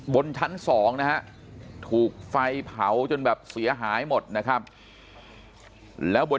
บนชั้น๒นะฮะถูกไฟเผาจนแบบเสียหายหมดนะครับแล้วบน